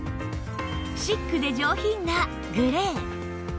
シックで上品なグレー